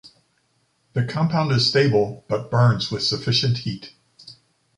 The compound is stable but burns with sufficient heat.